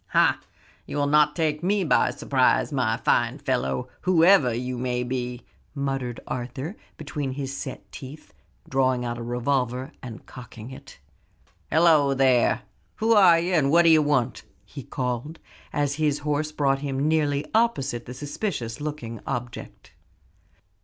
"Ha! you'll not take me by surprise, my fine fellow, whoever you may be," muttered Arthur between his set teeth, drawing out a revolver and cocking it, "Halloo there! Who are you; and what d'ye want?" he called, as his horse brought him nearly opposite the suspicious looking object.